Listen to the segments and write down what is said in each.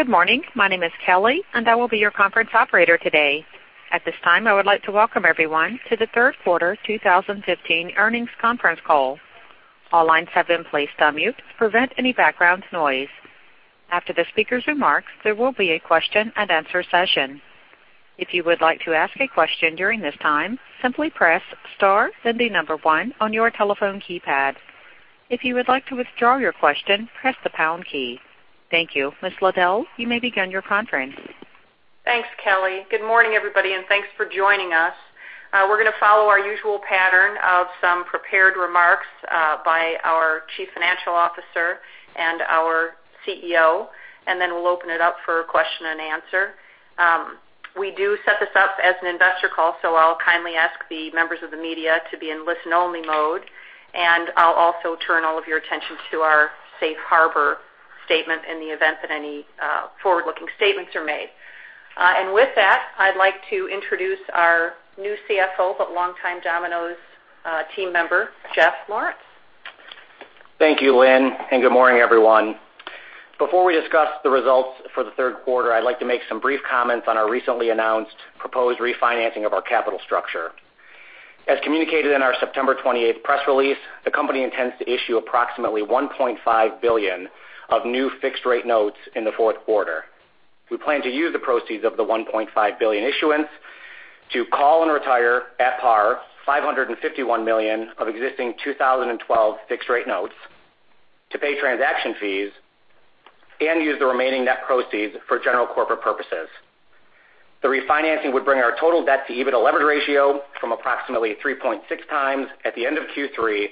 Good morning. My name is Kelly, and I will be your conference operator today. At this time, I would like to welcome everyone to the third quarter 2015 earnings conference call. All lines have been placed on mute to prevent any background noise. After the speaker's remarks, there will be a question and answer session. If you would like to ask a question during this time, simply press star, then the number 1 on your telephone keypad. If you would like to withdraw your question, press the pound key. Thank you. Ms. Liddle, you may begin your conference. Thanks, Kelly. Good morning, everybody, and thanks for joining us. We're going to follow our usual pattern of some prepared remarks by our chief financial officer and our CEO, and then we'll open it up for question and answer. We do set this up as an investor call, so I'll kindly ask the members of the media to be in listen-only mode, and I'll also turn all of your attention to our safe harbor statement in the event that any forward-looking statements are made. With that, I'd like to introduce our new CFO, but longtime Domino's team member, Jeff Lawrence. Thank you, Lynn, and good morning, everyone. Before we discuss the results for the third quarter, I'd like to make some brief comments on our recently announced proposed refinancing of our capital structure. As communicated in our September 28th press release, the company intends to issue approximately $1.5 billion of new fixed-rate notes in the fourth quarter. We plan to use the proceeds of the $1.5 billion issuance to call and retire at par $551 million of existing 2012 fixed-rate notes to pay transaction fees and use the remaining net proceeds for general corporate purposes. The refinancing would bring our total debt-to-EBITDA levered ratio from approximately 3.6 times at the end of Q3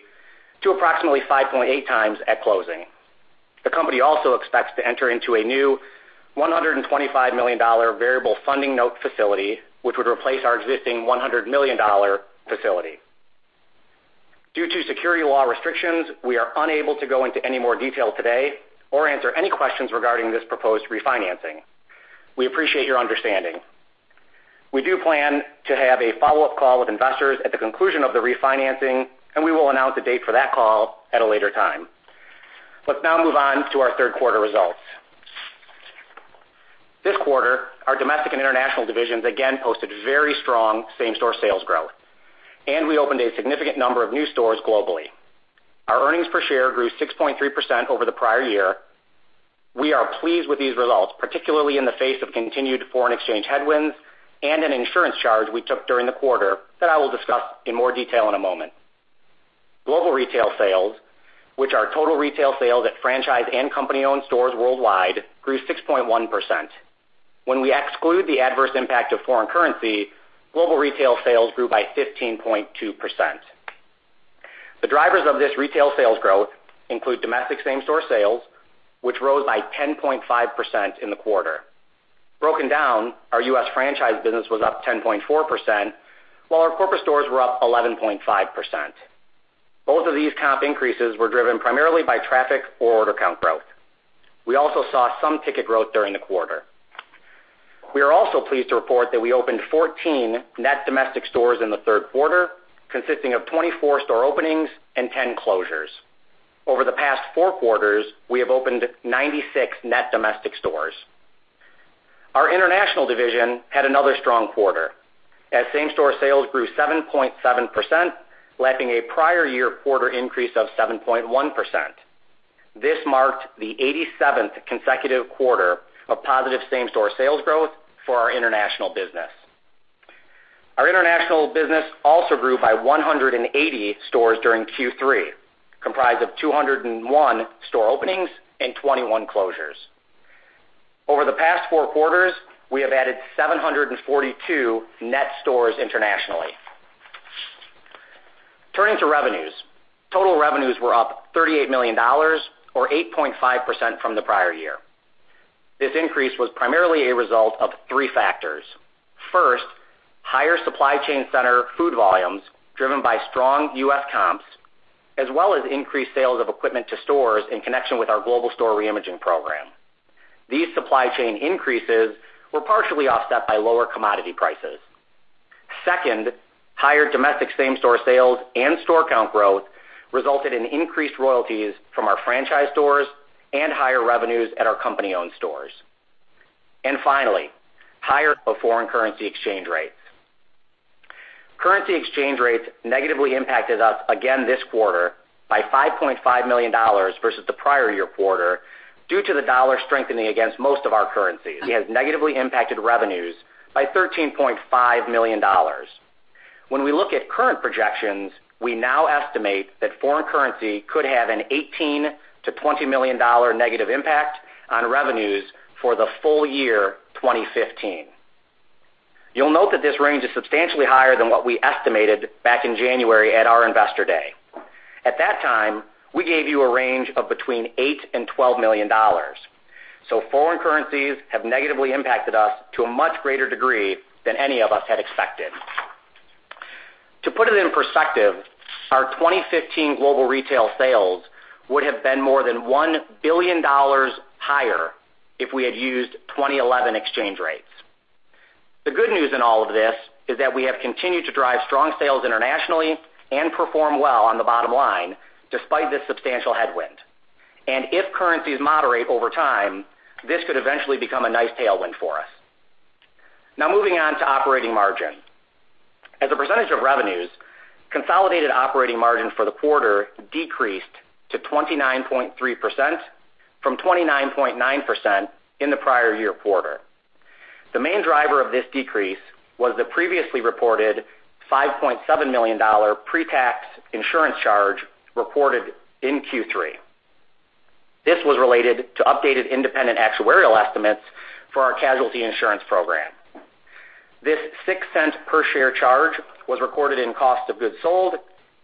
to approximately 5.8 times at closing. The company also expects to enter into a new $125 million variable funding note facility, which would replace our existing $100 million facility. Due to security law restrictions, we are unable to go into any more detail today or answer any questions regarding this proposed refinancing. We appreciate your understanding. We do plan to have a follow-up call with investors at the conclusion of the refinancing, and we will announce the date for that call at a later time. Let's now move on to our third quarter results. This quarter, our domestic and international divisions again posted very strong same-store sales growth, and we opened a significant number of new stores globally. Our earnings per share grew 6.3% over the prior year. We are pleased with these results, particularly in the face of continued foreign exchange headwinds and an insurance charge we took during the quarter that I will discuss in more detail in a moment. Global retail sales, which are total retail sales at franchise and company-owned stores worldwide, grew 6.1%. When we exclude the adverse impact of foreign currency, global retail sales grew by 15.2%. The drivers of this retail sales growth include domestic same-store sales, which rose by 10.5% in the quarter. Broken down, our U.S. franchise business was up 10.4%, while our corporate stores were up 11.5%. Both of these comp increases were driven primarily by traffic or order count growth. We also saw some ticket growth during the quarter. We are also pleased to report that we opened 14 net domestic stores in the third quarter, consisting of 24 store openings and 10 closures. Over the past four quarters, we have opened 96 net domestic stores. Our international division had another strong quarter as same-store sales grew 7.7%, lapping a prior year quarter increase of 7.1%. This marked the 87th consecutive quarter of positive same-store sales growth for our international business. Our international business also grew by 180 stores during Q3, comprised of 201 store openings and 21 closures. Over the past four quarters, we have added 742 net stores internationally. Turning to revenues. Total revenues were up $38 million, or 8.5% from the prior year. This increase was primarily a result of three factors. First, higher supply chain center food volumes driven by strong U.S. comps, as well as increased sales of equipment to stores in connection with our global store reimaging program. These supply chain increases were partially offset by lower commodity prices. Second, higher domestic same-store sales and store count growth resulted in increased royalties from our franchise stores and higher revenues at our company-owned stores. Finally, higher foreign currency exchange rates. Currency exchange rates negatively impacted us again this quarter by $5.5 million versus the prior year quarter due to the dollar strengthening against most of our currencies. It has negatively impacted revenues by $13.5 million. When we look at current projections, we now estimate that foreign currency could have an $18 million-$20 million negative impact on revenues for the full year 2015. You'll note that this range is substantially higher than what we estimated back in January at our investor day. At that time, we gave you a range of between $8 million and $12 million. Foreign currencies have negatively impacted us to a much greater degree than any of us had expected. To put it in perspective, our 2015 global retail sales would have been more than $1 billion higher if we had used 2011 exchange rates. The good news in all of this is that we have continued to drive strong sales internationally and perform well on the bottom line despite this substantial headwind. If currencies moderate over time, this could eventually become a nice tailwind for us. Moving on to operating margin. As a percentage of revenues, consolidated operating margin for the quarter decreased to 29.3% from 29.9% in the prior year quarter. The main driver of this decrease was the previously reported $5.7 million pre-tax insurance charge reported in Q3. This was related to updated independent actuarial estimates for our casualty insurance program. This $0.06 per share charge was recorded in cost of goods sold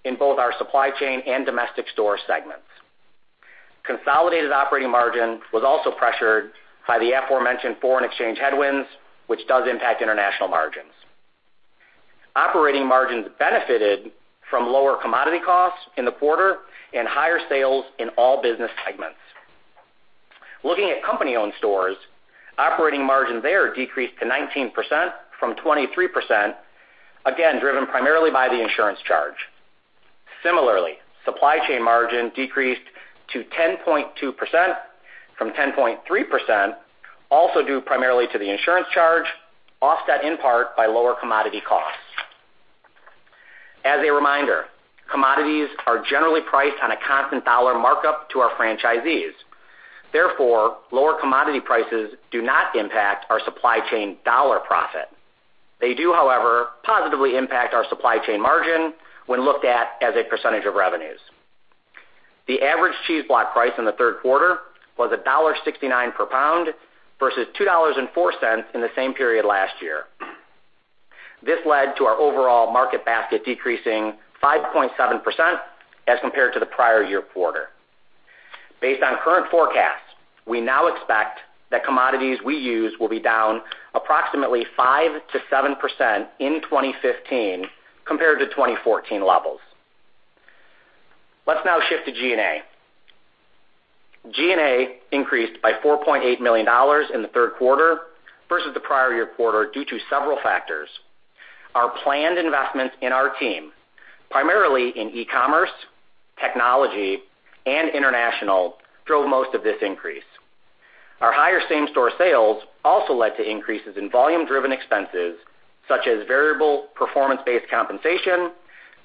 in both our supply chain and domestic store segments. Consolidated operating margin was also pressured by the aforementioned foreign exchange headwinds, which does impact international margins. Operating margins benefited from lower commodity costs in the quarter and higher sales in all business segments. Looking at company-owned stores, operating margin there decreased to 19% from 23%, again, driven primarily by the insurance charge. Similarly, supply chain margin decreased to 10.2% from 10.3%, also due primarily to the insurance charge, offset in part by lower commodity costs. As a reminder, commodities are generally priced on a constant dollar markup to our franchisees. Lower commodity prices do not impact our supply chain dollar profit. They do, however, positively impact our supply chain margin when looked at as a percentage of revenues. The average cheese block price in the third quarter was $1.69 per pound versus $2.04 in the same period last year. This led to our overall market basket decreasing 5.7% as compared to the prior year quarter. Based on current forecasts, we now expect that commodities we use will be down approximately 5% to 7% in 2015 compared to 2014 levels. Let's now shift to G&A. G&A increased by $4.8 million in the third quarter versus the prior year quarter due to several factors. Our planned investments in our team, primarily in e-commerce, technology, and international, drove most of this increase. Our higher same-store sales also led to increases in volume-driven expenses such as variable performance-based compensation,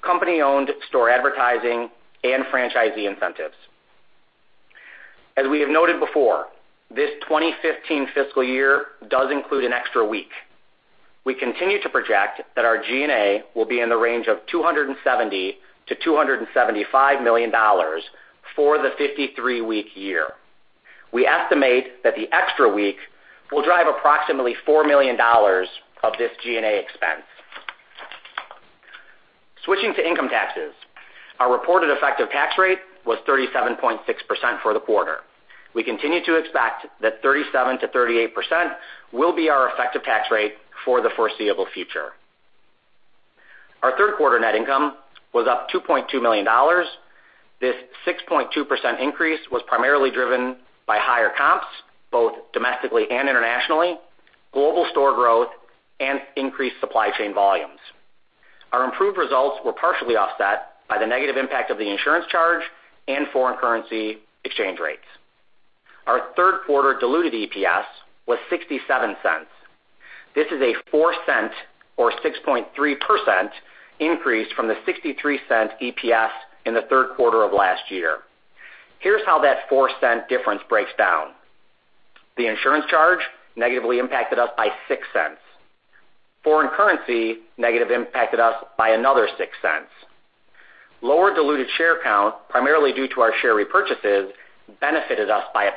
company-owned store advertising, and franchisee incentives. As we have noted before, this 2015 fiscal year does include an extra week. We continue to project that our G&A will be in the range of $270 to $275 million for the 53-week year. We estimate that the extra week will drive approximately $4 million of this G&A expense. Switching to income taxes, our reported effective tax rate was 37.6% for the quarter. We continue to expect that 37% to 38% will be our effective tax rate for the foreseeable future. Our third quarter net income was up $2.2 million. This 6.2% increase was primarily driven by higher comps, both domestically and internationally, global store growth, and increased supply chain volumes. Our improved results were partially offset by the negative impact of the insurance charge and foreign currency exchange rates. Our third quarter diluted EPS was $0.67. This is a $0.04 or 6.3% increase from the $0.63 EPS in the third quarter of last year. Here's how that $0.04 difference breaks down. The insurance charge negatively impacted us by $0.06. Foreign currency negative impacted us by another $0.06. Lower diluted share count, primarily due to our share repurchases, benefited us by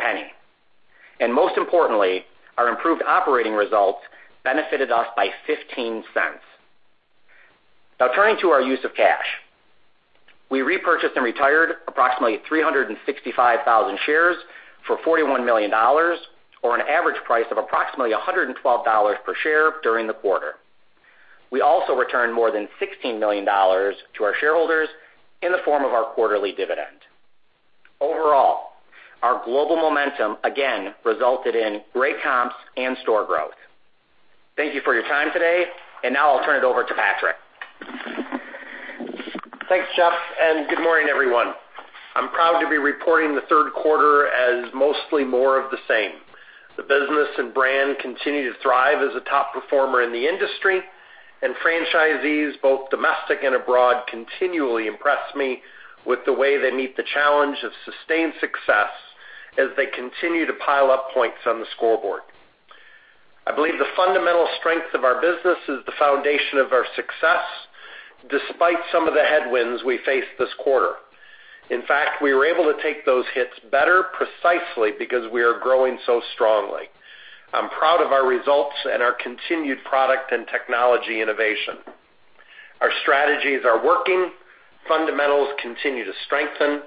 $0.01. Most importantly, our improved operating results benefited us by $0.15. Now turning to our use of cash. We repurchased and retired approximately 365,000 shares for $41 million, or an average price of approximately $112 per share during the quarter. We also returned more than $16 million to our shareholders in the form of our quarterly dividend. Overall, our global momentum again resulted in great comps and store growth. Thank you for your time today. Now I'll turn it over to Patrick. Thanks, Jeff, good morning, everyone. I'm proud to be reporting the third quarter as mostly more of the same. The business and brand continue to thrive as a top performer in the industry, and franchisees, both domestic and abroad, continually impress me with the way they meet the challenge of sustained success as they continue to pile up points on the scoreboard. I believe the fundamental strength of our business is the foundation of our success, despite some of the headwinds we faced this quarter. In fact, we were able to take those hits better precisely because we are growing so strongly. I'm proud of our results and our continued product and technology innovation. Our strategies are working, fundamentals continue to strengthen,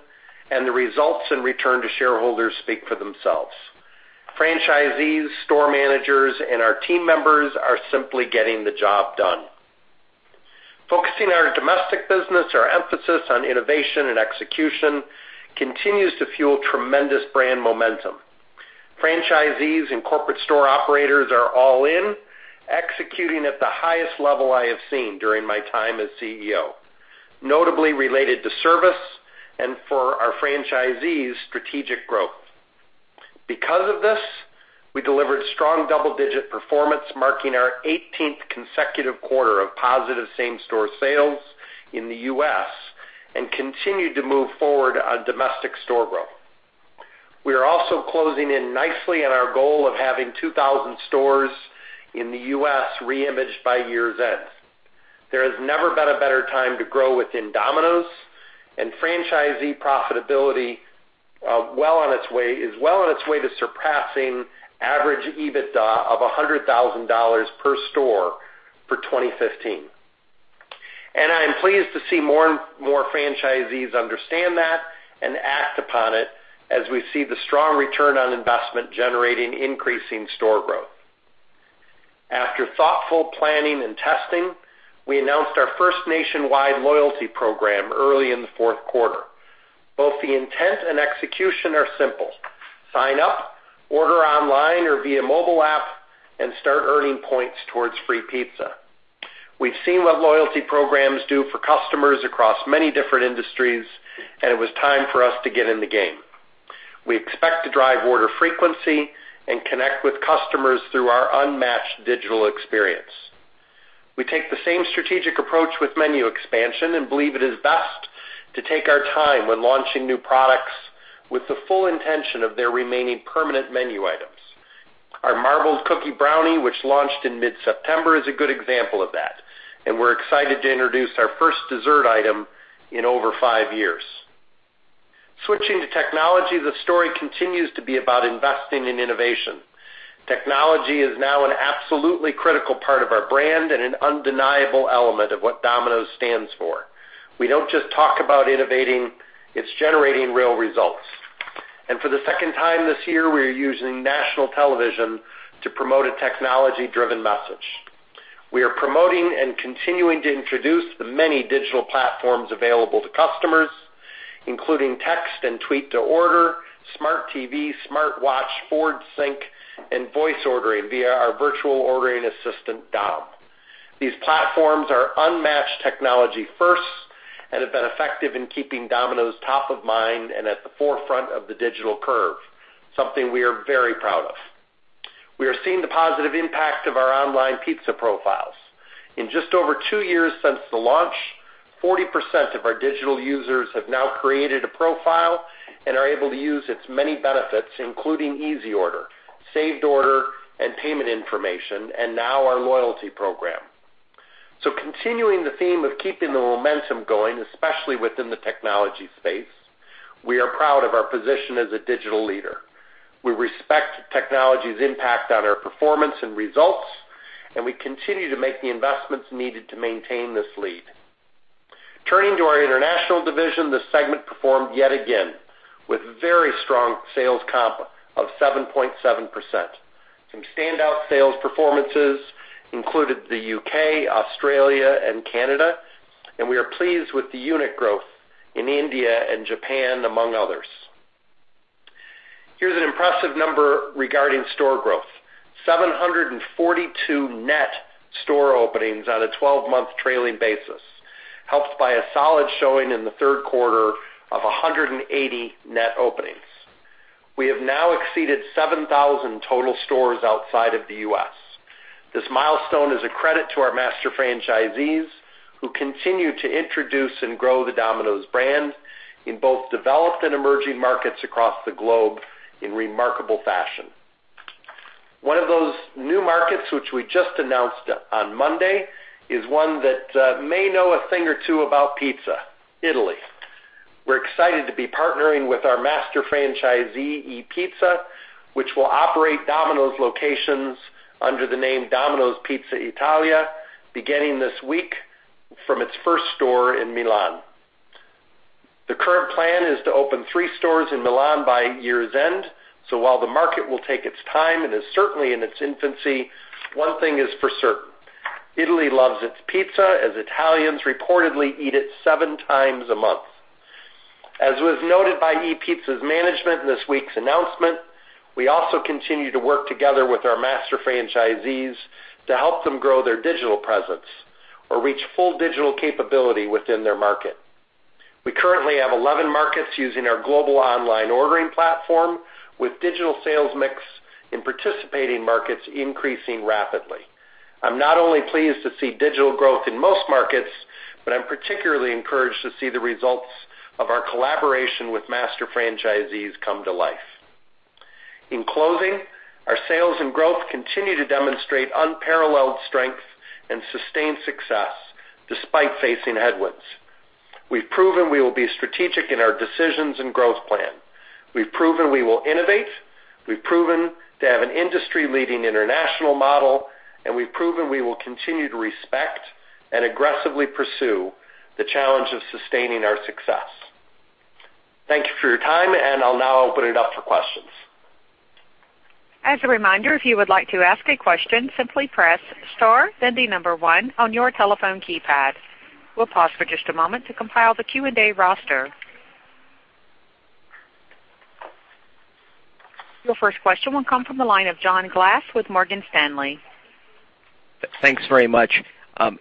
the results and return to shareholders speak for themselves. Franchisees, store managers, and our team members are simply getting the job done. Focusing our domestic business, our emphasis on innovation and execution continues to fuel tremendous brand momentum. Franchisees and corporate store operators are all in, executing at the highest level I have seen during my time as CEO, notably related to service and for our franchisees, strategic growth. Because of this, we delivered strong double-digit performance, marking our 18th consecutive quarter of positive same-store sales in the U.S. and continued to move forward on domestic store growth. We are also closing in nicely on our goal of having 2,000 stores in the U.S. re-imaged by year's end. There has never been a better time to grow within Domino's, and franchisee profitability is well on its way to surpassing average EBITDA of $100,000 per store for 2015. I am pleased to see more and more franchisees understand that and act upon it as we see the strong return on investment generating increasing store growth. After thoughtful planning and testing, we announced our first nationwide loyalty program early in the fourth quarter. Both the intent and execution are simple. Sign up, order online or via mobile app, and start earning points towards free pizza. We've seen what loyalty programs do for customers across many different industries, and it was time for us to get in the game. We expect to drive order frequency and connect with customers through our unmatched digital experience. We take the same strategic approach with menu expansion and believe it is best to take our time when launching new products with the full intention of their remaining permanent menu items. Our Marbled Cookie Brownie, which launched in mid-September, is a good example of that, and we're excited to introduce our first dessert item in over five years. Switching to technology, the story continues to be about investing in innovation. Technology is now an absolutely critical part of our brand and an undeniable element of what Domino's stands for. We don't just talk about innovating, it's generating real results. For the second time this year, we are using national television to promote a technology-driven message. We are promoting and continuing to introduce the many digital platforms available to customers, including text and tweet to order, smart TV, smart watch, Ford SYNC, and voice ordering via our virtual ordering assistant, Dom. These platforms are unmatched technology first and have been effective in keeping Domino's top of mind and at the forefront of the digital curve, something we are very proud of. We are seeing the positive impact of our online pizza profiles. In just over two years since the launch, 40% of our digital users have now created a profile and are able to use its many benefits, including Easy Order, saved order and payment information, and now our loyalty program. Continuing the theme of keeping the momentum going, especially within the technology space, we are proud of our position as a digital leader. We respect technology's impact on our performance and results, and we continue to make the investments needed to maintain this lead. Turning to our international division, this segment performed yet again with very strong sales comp of 7.7%. Some standout sales performances included the U.K., Australia, and Canada, and we are pleased with the unit growth in India and Japan, among others. Here's an impressive number regarding store growth. 742 net store openings on a 12-month trailing basis, helped by a solid showing in the third quarter of 180 net openings. We have now exceeded 7,000 total stores outside of the U.S. This milestone is a credit to our master franchisees, who continue to introduce and grow the Domino's brand in both developed and emerging markets across the globe in remarkable fashion. One of those new markets, which we just announced on Monday, is one that may know a thing or two about pizza, Italy. We're excited to be partnering with our master franchisee, ePizza, which will operate Domino's locations under the name Domino's Pizza Italia, beginning this week from its first store in Milan. The current plan is to open three stores in Milan by year's end. While the market will take its time and is certainly in its infancy, one thing is for certain, Italy loves its pizza as Italians reportedly eat it seven times a month. As was noted by ePizza's management in this week's announcement, we also continue to work together with our master franchisees to help them grow their digital presence or reach full digital capability within their market. We currently have 11 markets using our global online ordering platform, with digital sales mix in participating markets increasing rapidly. I'm not only pleased to see digital growth in most markets, but I'm particularly encouraged to see the results of our collaboration with master franchisees come to life. In closing, our sales and growth continue to demonstrate unparalleled strength and sustained success despite facing headwinds. We've proven we will be strategic in our decisions and growth plan. We've proven we will innovate, we've proven to have an industry-leading international model, and we've proven we will continue to respect and aggressively pursue the challenge of sustaining our success. Thank you for your time, and I'll now open it up for questions. As a reminder, if you would like to ask a question, simply press star, then the number one on your telephone keypad. We'll pause for just a moment to compile the Q&A roster. Your first question will come from the line of John Glass with Morgan Stanley. Thanks very much.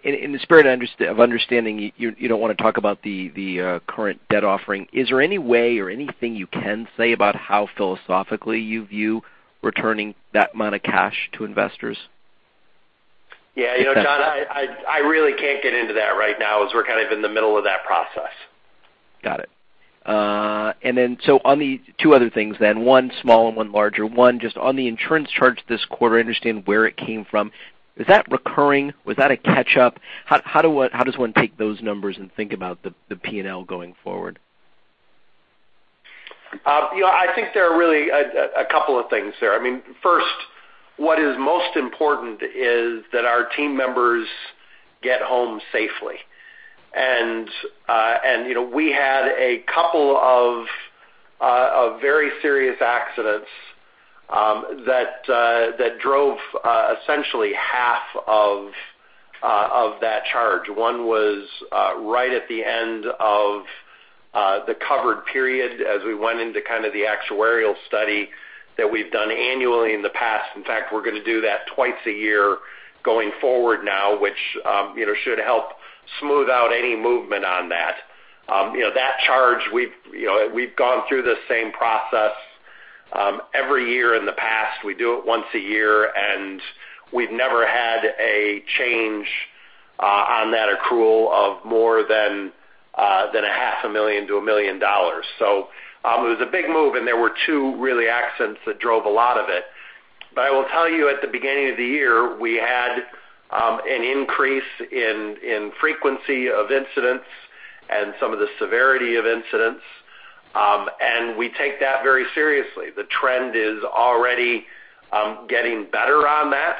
In the spirit of understanding, you don't want to talk about the current debt offering. Is there any way or anything you can say about how philosophically you view returning that amount of cash to investors? Yeah, John, I really can't get into that right now, as we're kind of in the middle of that process. Got it. On the two other things then, one small and one larger. One, just on the insurance charge this quarter, I understand where it came from. Is that recurring? Was that a catch-up? How does one take those numbers and think about the P&L going forward? I think there are really a couple of things there. First, what is most important is that our team members get home safely. We had a couple of very serious accidents that drove essentially half of that charge. One was right at the end of the covered period as we went into the actuarial study that we've done annually in the past. In fact, we're going to do that twice a year going forward now, which should help smooth out any movement on that. That charge, we've gone through the same process every year in the past. We do it once a year, and we've never had a change on that accrual of more than a half a million to a million dollars. It was a big move, and there were 2 really accidents that drove a lot of it. I will tell you at the beginning of the year, we had an increase in frequency of incidents and some of the severity of incidents, and we take that very seriously. The trend is already getting better on that,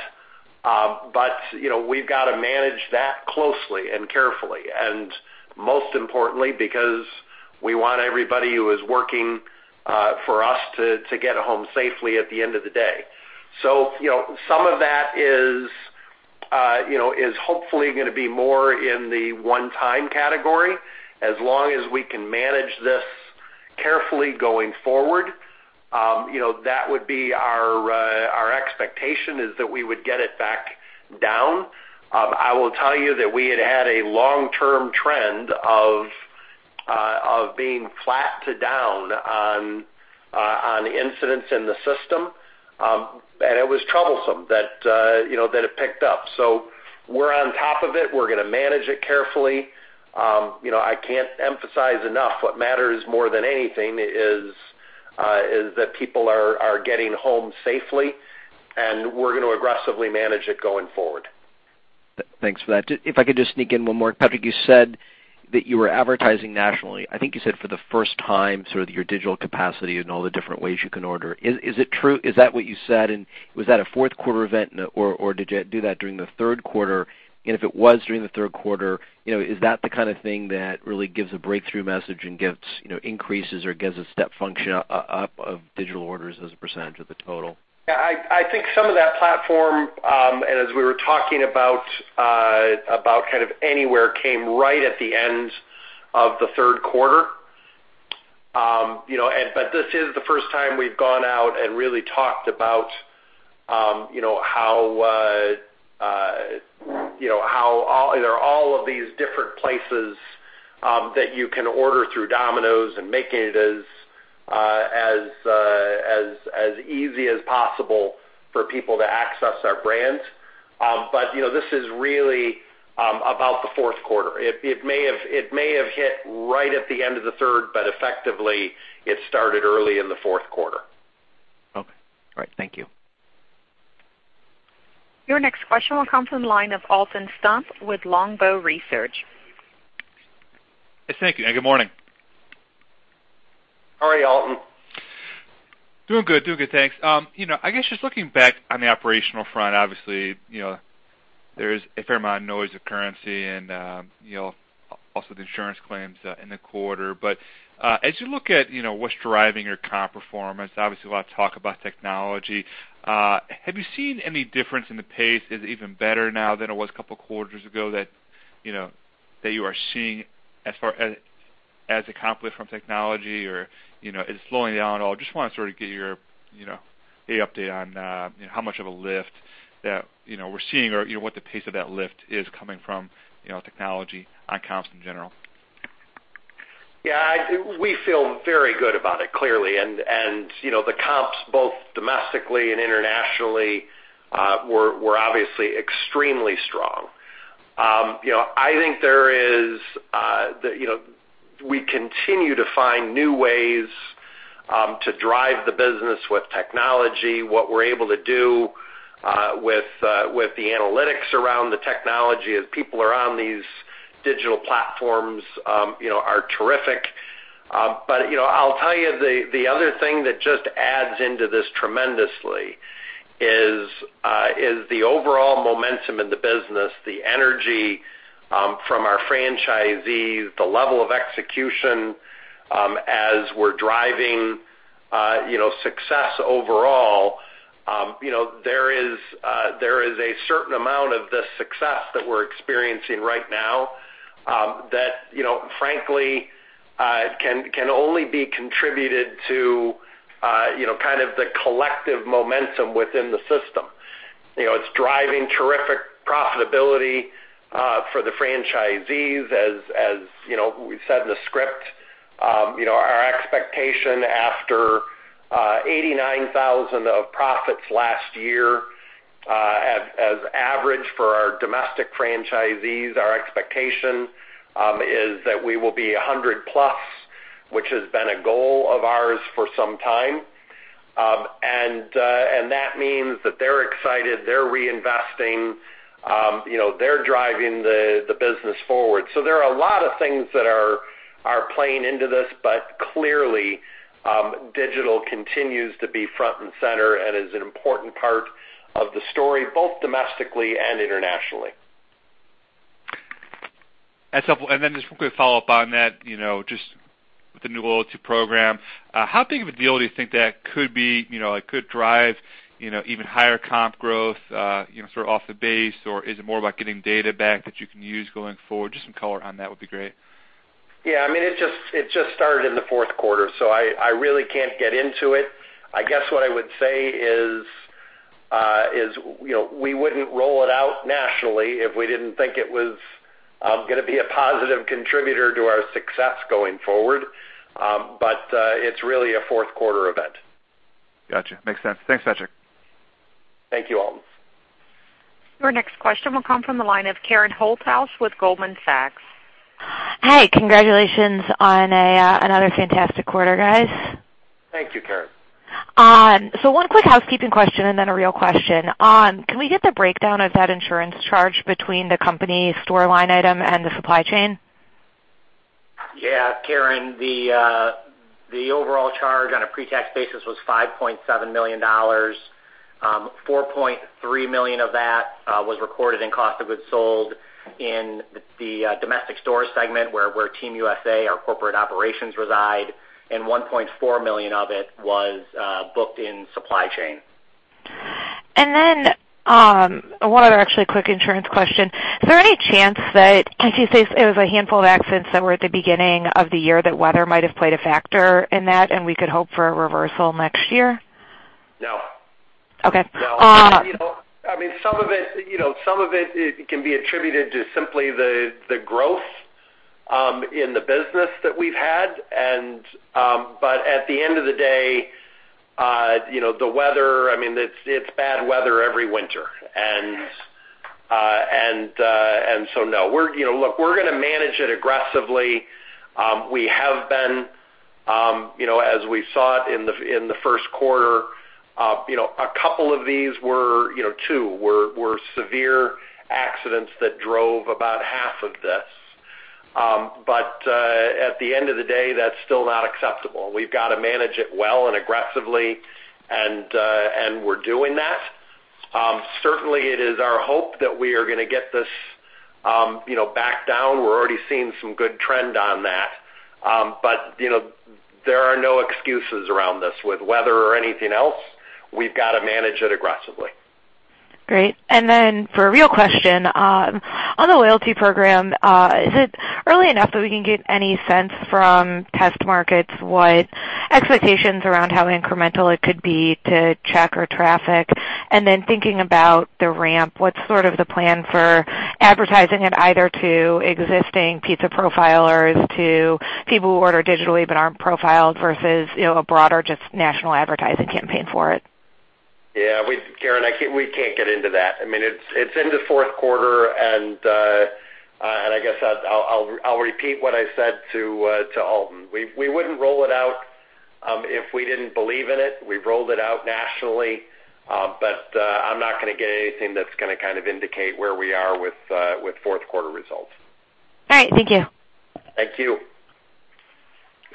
but we've got to manage that closely and carefully, and most importantly, because we want everybody who is working for us to get home safely at the end of the day. Some of that is hopefully going to be more in the 1-time category as long as we can manage this carefully going forward. That would be our expectation, is that we would get it back down. I will tell you that we had had a long-term trend of being flat to down on incidents in the system, and it was troublesome that it picked up. We're on top of it. We're going to manage it carefully. I can't emphasize enough, what matters more than anything is that people are getting home safely, and we're going to aggressively manage it going forward. Thanks for that. If I could just sneak in 1 more. Patrick, you said that you were advertising nationally, I think you said for the 1st time, sort of your digital capacity and all the different ways you can order. Is it true? Is that what you said? Was that a 4th quarter event, or did you do that during the 3rd quarter? If it was during the 3rd quarter, is that the kind of thing that really gives a breakthrough message and gets increases or gives a step function up of digital orders as a percentage of the total? I think some of that platform, and as we were talking about kind of anywhere, came right at the end of the third quarter. This is the first time we've gone out and really talked about how there are all of these different places that you can order through Domino's and making it as easy as possible for people to access our brands. This is really about the fourth quarter. It may have hit right at the end of the third, but effectively, it started early in the fourth quarter. Okay. All right. Thank you. Your next question will come from the line of Alton Stump with Longbow Research. Thank you, good morning. How are you, Alton? Doing good. Thanks. I guess just looking back on the operational front, obviously, there is a fair amount of noise of currency and also the insurance claims in the quarter. As you look at what's driving your comp performance, obviously a lot of talk about technology, have you seen any difference in the pace? Is it even better now than it was a couple of quarters ago that you are seeing as an effect from technology, or is it slowing down at all? Just want to sort of get your update on how much of a lift that we're seeing or what the pace of that lift is coming from technology on comps in general. Yeah. We feel very good about it, clearly, the comps, both domestically and internationally, were obviously extremely strong. I think we continue to find new ways to drive the business with technology. What we're able to do with the analytics around the technology as people are on these digital platforms are terrific. I'll tell you the other thing that just adds into this tremendously is the overall momentum in the business, the energy from our franchisees, the level of execution as we're driving success overall, there is a certain amount of the success that we're experiencing right now that, frankly, can only be contributed to the collective momentum within the system. It's driving terrific profitability for the franchisees, as we said in the script. Our expectation after $89,000 of profits last year, as average for our domestic franchisees, our expectation is that we will be 100 plus, which has been a goal of ours for some time. That means that they're excited, they're reinvesting, they're driving the business forward. There are a lot of things that are playing into this, but clearly, digital continues to be front and center and is an important part of the story, both domestically and internationally. That's helpful. Just a quick follow-up on that, just with the new loyalty program. How big of a deal do you think that could be? Could drive even higher comp growth sort of off the base, or is it more about getting data back that you can use going forward? Just some color on that would be great. Yeah, it just started in the fourth quarter, so I really can't get into it. I guess what I would say is we wouldn't roll it out nationally if we didn't think it was going to be a positive contributor to our success going forward. It's really a fourth quarter event. Got you. Makes sense. Thanks, Patrick. Thank you, Alton. Your next question will come from the line of Karen Holthouse with Goldman Sachs. Hi, congratulations on another fantastic quarter, guys. Thank you, Karen. One quick housekeeping question and then a real question. Can we get the breakdown of that insurance charge between the company store line item and the supply chain? Yeah, Karen, the overall charge on a pre-tax basis was $5.7 million. $4.3 million of that was recorded in cost of goods sold in the domestic store segment, where Team USA, our corporate operations reside, and $1.4 million of it was booked in supply chain. Then one other actually quick insurance question. Is there any chance that, since you say it was a handful of accidents that were at the beginning of the year, that weather might have played a factor in that, and we could hope for a reversal next year? No. Okay. Some of it can be attributed to simply the growth in the business that we've had. At the end of the day, the weather, it's bad weather every winter. So, no. Look, we're going to manage it aggressively. We have been, as we saw it in the first quarter. A couple of these were, two, were severe accidents that drove about half of this. At the end of the day, that's still not acceptable. We've got to manage it well and aggressively, and we're doing that. Certainly, it is our hope that we are going to get this back down. We're already seeing some good trend on that. There are no excuses around this. With weather or anything else, we've got to manage it aggressively. Great. Then for a real question, on the loyalty program, is it early enough that we can get any sense from test markets what expectations around how incremental it could be to check or traffic? Thinking about the ramp, what's sort of the plan for advertising it either to existing pizza profilers, to people who order digitally but aren't profiled, versus a broader just national advertising campaign for it? Yeah. Karen, we can't get into that. It's in the fourth quarter. I guess I'll repeat what I said to Alton. We wouldn't roll it out if we didn't believe in it. We've rolled it out nationally. I'm not going to get anything that's going to kind of indicate where we are with fourth quarter results. All right. Thank you. Thank you.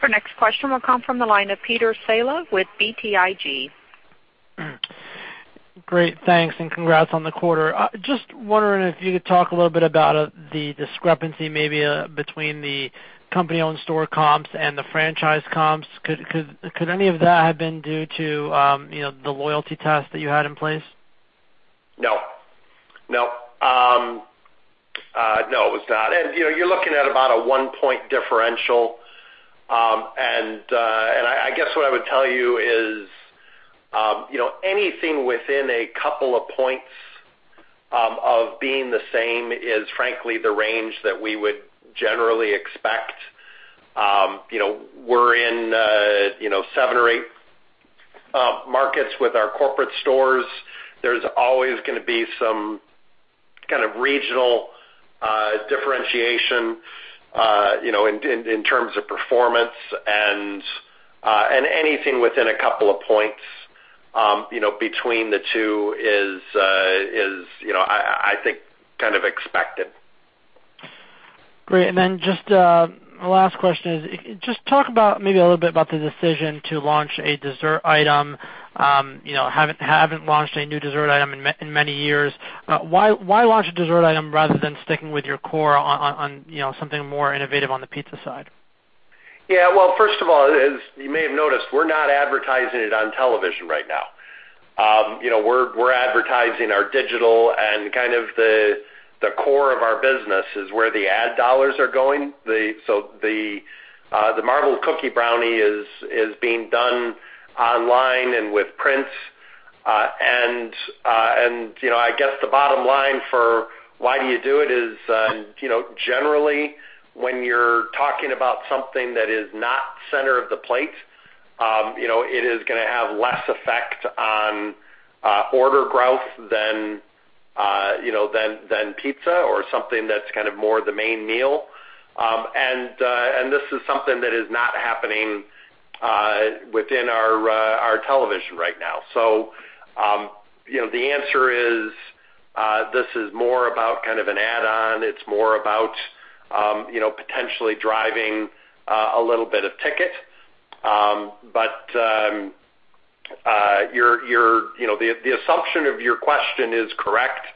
Our next question will come from the line of Peter Saleh with BTIG. Great. Thanks. Congrats on the quarter. Just wondering if you could talk a little bit about the discrepancy maybe between the company-owned store comps and the franchise comps. Could any of that have been due to the loyalty test that you had in place? No. No, it was not. You're looking at about a one-point differential. I guess what I would tell you is anything within a couple of points of being the same is frankly the range that we would generally expect. We're in seven or eight markets with our corporate stores. There's always going to be some kind of regional differentiation in terms of performance. Anything within a couple of points between the two is I think kind of expected. Great. Just the last question is, just talk about maybe a little bit about the decision to launch a dessert item. Haven't launched a new dessert item in many years. Why launch a dessert item rather than sticking with your core on something more innovative on the pizza side? Yeah. Well, first of all, as you may have noticed, we're not advertising it on television right now. We're advertising our digital and kind of the core of our business is where the ad dollars are going. The Marbled Cookie Brownie is being done online and with print. I guess the bottom line for why do you do it is, generally when you're talking about something that is not center of the plate, it is going to have less effect on order growth than pizza or something that's kind of more the main meal. This is something that is not happening within our television right now. The answer is, this is more about kind of an add-on. It's more about potentially driving a little bit of ticket. The assumption of your question is correct,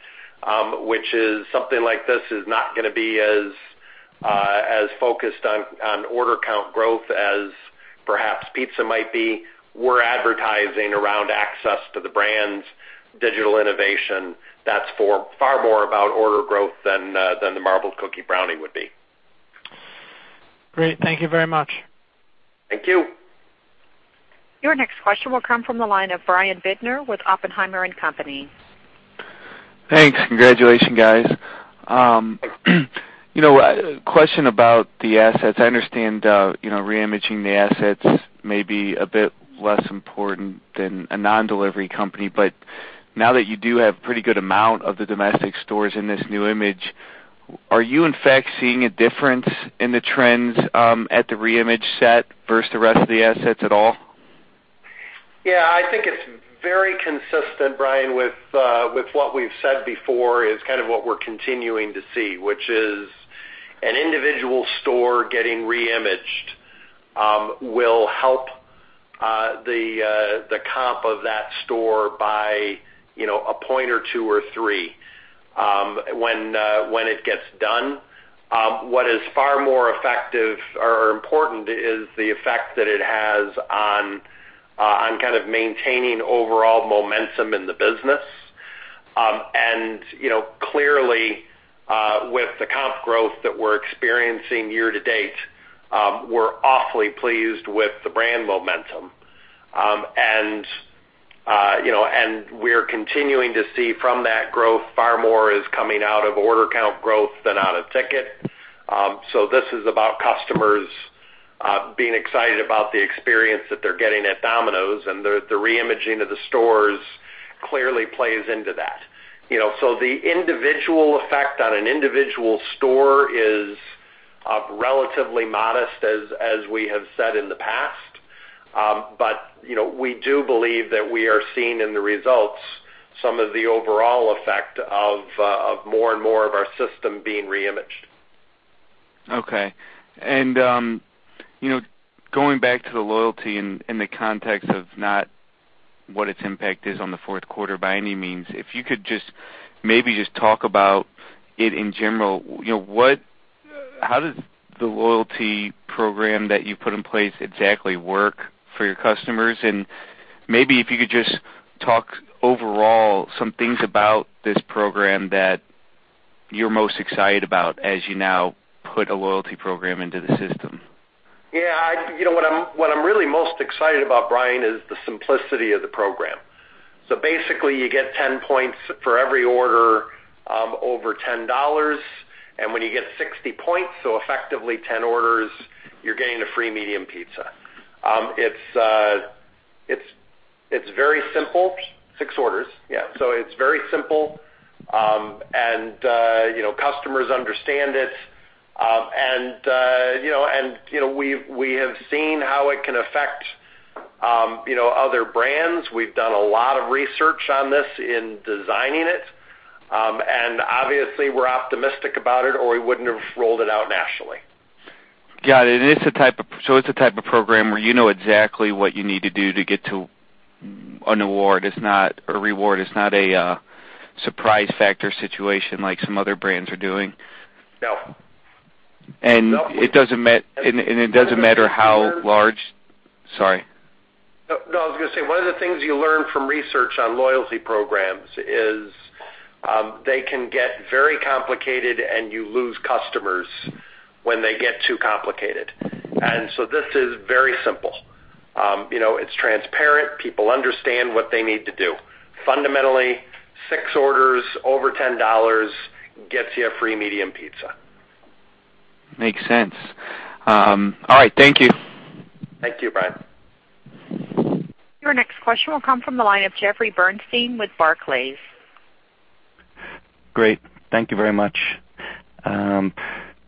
which is something like this is not going to be as focused on order count growth as perhaps pizza might be. We're advertising around access to the brands, digital innovation. That's far more about order growth than the Marbled Cookie Brownie would be. Great. Thank you very much. Thank you. Your next question will come from the line of Brian Bittner with Oppenheimer and Company. Thanks. Congratulations, guys. A question about the assets. I understand re-imaging the assets may be a bit less important than a non-delivery company. Now that you do have pretty good amount of the domestic stores in this new image, are you in fact seeing a difference in the trends, at the re-image set versus the rest of the assets at all? Yeah, I think it's very consistent, Brian, with what we've said before is kind of what we're continuing to see, which is an individual store getting re-imaged, will help the comp of that store by a point or two or three, when it gets done. What is far more effective or important is the effect that it has on kind of maintaining overall momentum in the business. Clearly, with the comp growth that we're experiencing year to date, we're awfully pleased with the brand momentum. We're continuing to see from that growth, far more is coming out of order count growth than out of ticket. This is about customers being excited about the experience that they're getting at Domino's, and the re-imaging of the stores clearly plays into that. The individual effect on an individual store is relatively modest as we have said in the past. We do believe that we are seeing in the results some of the overall effect of more and more of our system being re-imaged. Okay. Going back to the loyalty in the context of not what its impact is on the fourth quarter by any means, if you could just maybe just talk about it in general, how does the loyalty program that you put in place exactly work for your customers? Maybe if you could just talk overall some things about this program that you're most excited about as you now put a loyalty program into the system. Yeah. What I'm really most excited about, Brian, is the simplicity of the program. Basically, you get 10 points for every order over $10. When you get 60 points, so effectively 10 orders, you're getting a free medium pizza. It's very simple. Six orders. Yeah. It's very simple, and customers understand it. We have seen how it can affect other brands. We've done a lot of research on this in designing it. Obviously, we're optimistic about it, or we wouldn't have rolled it out nationally. Got it. It's a type of program where you know exactly what you need to do to get to an award. A reward. It's not a surprise factor situation like some other brands are doing. No. It doesn't matter how large. Sorry. No, I was going to say, one of the things you learn from research on loyalty programs is, they can get very complicated, and you lose customers when they get too complicated. This is very simple. It's transparent. People understand what they need to do. Fundamentally, six orders over $10 gets you a free medium pizza. Makes sense. All right. Thank you. Thank you, Brian. Your next question will come from the line of Jeffrey Bernstein with Barclays. Great. Thank you very much.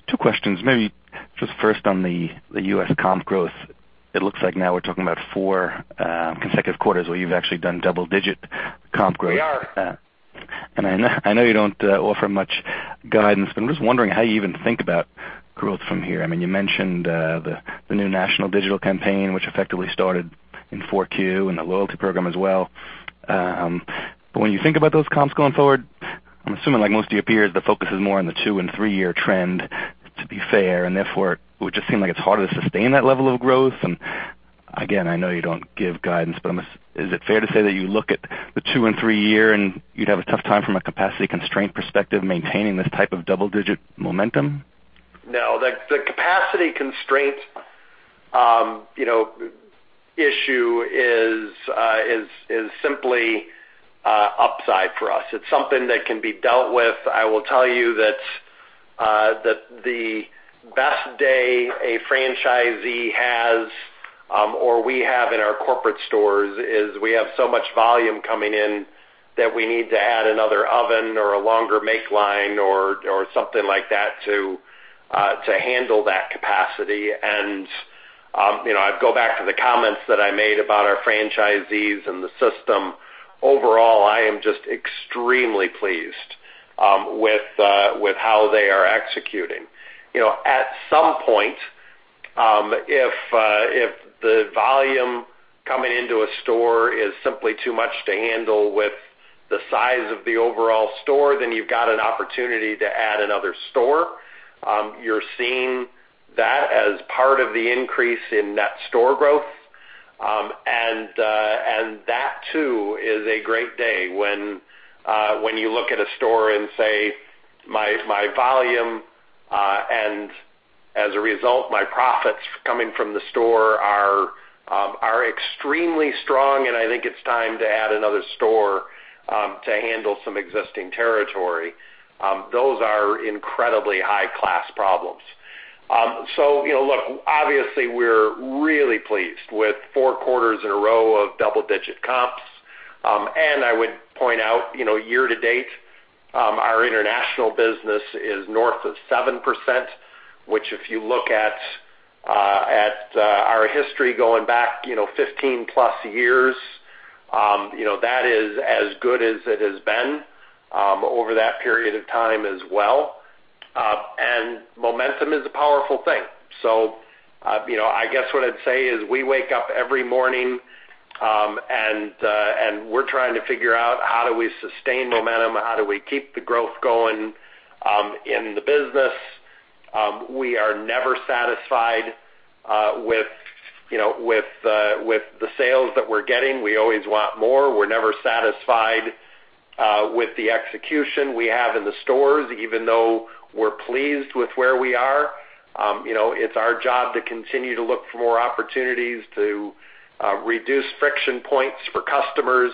Two questions. Maybe Just first on the U.S. comp growth, it looks like now we're talking about four consecutive quarters where you've actually done double-digit comp growth. We are. I know you don't offer much guidance, but I'm just wondering how you even think about growth from here. You mentioned the new national digital campaign, which effectively started in Q4, and the loyalty program as well. When you think about those comps going forward, I'm assuming, like most of your peers, the focus is more on the two- and three-year trend, to be fair, and therefore, it would just seem like it's harder to sustain that level of growth. Again, I know you don't give guidance, but is it fair to say that you look at the two and three year and you'd have a tough time from a capacity constraint perspective, maintaining this type of double-digit momentum? No. The capacity constraint issue is simply upside for us. It's something that can be dealt with. I will tell you that the best day a franchisee has, or we have in our corporate stores, is we have so much volume coming in that we need to add another oven or a longer make line or something like that to handle that capacity. I'd go back to the comments that I made about our franchisees and the system. Overall, I am just extremely pleased with how they are executing. At some point, if the volume coming into a store is simply too much to handle with the size of the overall store, then you've got an opportunity to add another store. You're seeing that as part of the increase in net store growth. That too is a great day when you look at a store and say, "My volume, and as a result, my profits coming from the store are extremely strong, and I think it's time to add another store to handle some existing territory." Those are incredibly high-class problems. Look, obviously, we're really pleased with four quarters in a row of double-digit comps. I would point out, year-to-date, our international business is north of 7%, which, if you look at our history going back 15-plus years, that is as good as it has been over that period of time as well. Momentum is a powerful thing. I guess what I'd say is we wake up every morning, we're trying to figure out how do we sustain momentum, how do we keep the growth going in the business. We are never satisfied with the sales that we're getting. We always want more. We're never satisfied with the execution we have in the stores, even though we're pleased with where we are. It's our job to continue to look for more opportunities to reduce friction points for customers.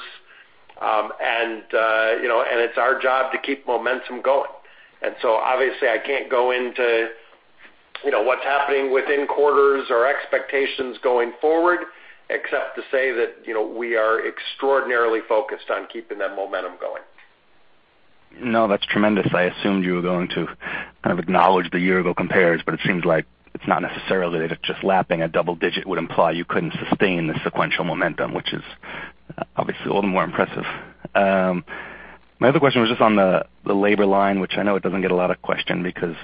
It's our job to keep momentum going. Obviously, I can't go into what's happening within quarters or expectations going forward, except to say that we are extraordinarily focused on keeping that momentum going. No, that's tremendous. I assumed you were going to kind of acknowledge the year-ago compares, it seems like it's not necessarily that it's just lapping. A double-digit would imply you couldn't sustain the sequential momentum, which is obviously a little more impressive. My other question was just on the labor line, which I know it doesn't get a lot of question because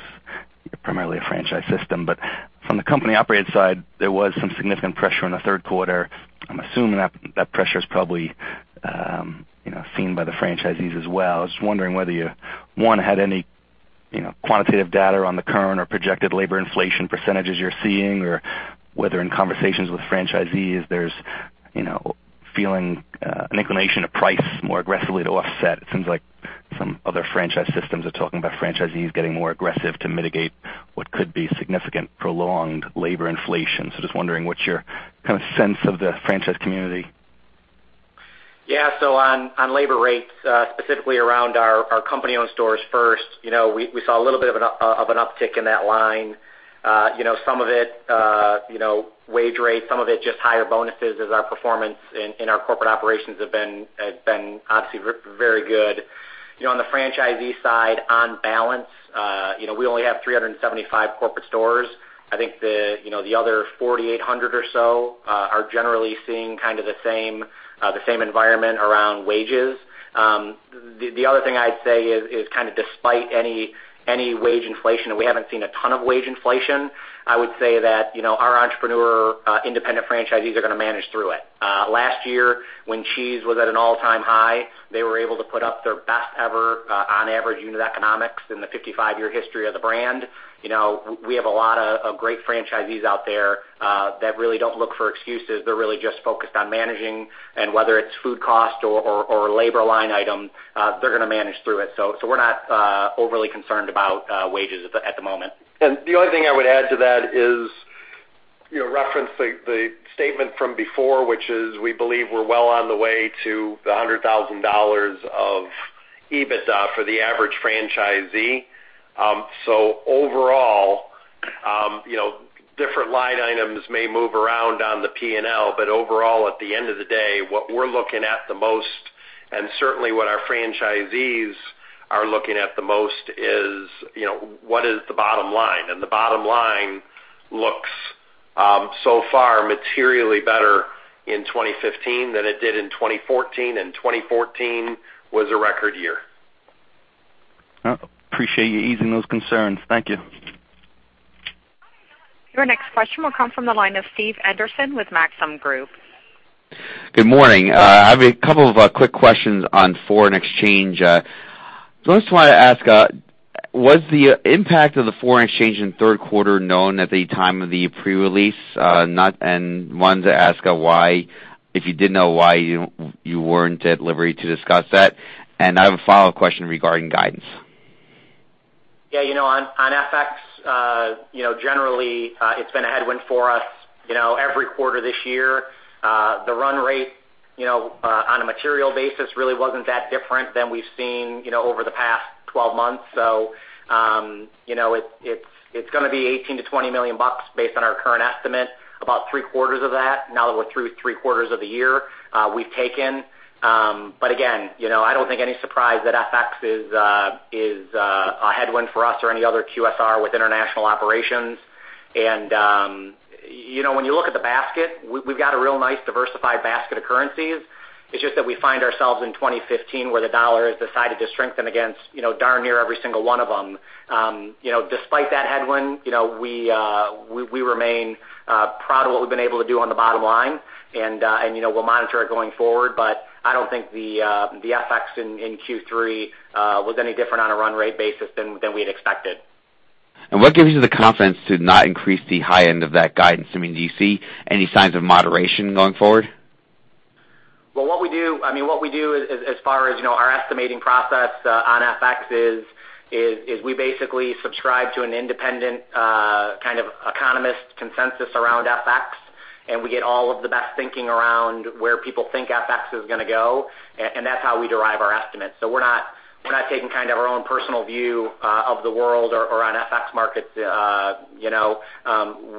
you're primarily a franchise system, but from the company-operated side, there was some significant pressure in the third quarter. I'm assuming that that pressure is probably seen by the franchisees as well. I was just wondering whether you, one, had any quantitative data on the current or projected labor inflation % you're seeing, or whether in conversations with franchisees, there's feeling an inclination to price more aggressively to offset. It seems like some other franchise systems are talking about franchisees getting more aggressive to mitigate what could be significant prolonged labor inflation. Just wondering what's your kind of sense of the franchise community. Yeah. On labor rates, specifically around our company-owned stores first, we saw a little bit of an uptick in that line. Some of it wage rate, some of it just higher bonuses as our performance in our corporate operations have been obviously very good. On the franchisee side, on balance, we only have 375 corporate stores. I think the other 4,800 or so are generally seeing kind of the same environment around wages. The other thing I'd say is kind of despite any wage inflation, we haven't seen a ton of wage inflation, I would say that our entrepreneur independent franchisees are going to manage through it. Last year, when cheese was at an all-time high, they were able to put up their best ever on average unit economics in the 55-year history of the brand. We have a lot of great franchisees out there that really don't look for excuses. They're really just focused on managing, and whether it's food cost or labor line item, they're going to manage through it. We're not overly concerned about wages at the moment. The only thing I would add to that is reference the statement from before, which is we believe we're well on the way to the $100,000 of EBITDA for the average franchisee. Different line items may move around on the P&L, but overall, at the end of the day, what we're looking at the most, and certainly what our franchisees are looking at the most is, what is the bottom line? The bottom line looks so far materially better in 2015 than it did in 2014, and 2014 was a record year. Appreciate you easing those concerns. Thank you. Your next question will come from the line of Stephen Anderson with Maxim Group. Good morning. I have a couple of quick questions on foreign exchange. First, I want to ask, was the impact of the foreign exchange in the third quarter known at the time of the pre-release? Wanted to ask if you did know, why you weren't at liberty to discuss that. I have a follow-up question regarding guidance. On FX, generally, it's been a headwind for us every quarter this year. The run rate on a material basis really wasn't that different than we've seen over the past 12 months. It's going to be $18 million-$20 million based on our current estimate. About three-quarters of that, now that we're through three quarters of the year, we've taken. Again, I don't think any surprise that FX is a headwind for us or any other QSR with international operations. When you look at the basket, we've got a real nice diversified basket of currencies. It's just that we find ourselves in 2015 where the dollar has decided to strengthen against darn near every single one of them. Despite that headwind, we remain proud of what we've been able to do on the bottom line, and we'll monitor it going forward, I don't think the FX in Q3 was any different on a run rate basis than we had expected. What gives you the confidence to not increase the high end of that guidance? Do you see any signs of moderation going forward? Well, what we do as far as our estimating process on FX is we basically subscribe to an independent kind of economist consensus around FX, we get all of the best thinking around where people think FX is going to go, and that's how we derive our estimates. We're not taking our own personal view of the world or on FX markets.